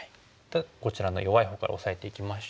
こちらの弱いほうからオサえていきまして。